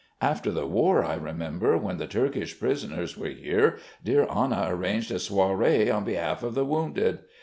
After the war, I remember, when the Turkish prisoners were here, dear Anna arranged a soiree on behalf of the wounded.